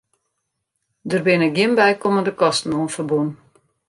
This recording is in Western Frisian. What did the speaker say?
Der binne gjin bykommende kosten oan ferbûn.